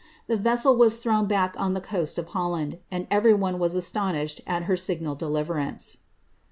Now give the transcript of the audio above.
The vessel was thrown back on the coast of Holland, and every one was astonished at her signal deliverance.